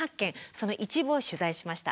その一部を取材しました。